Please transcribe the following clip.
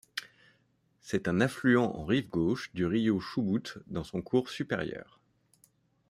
C'est un affluent en rive gauche du Río Chubut dans son cours supérieur.